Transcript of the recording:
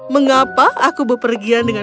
mengapa aku bepergian dengan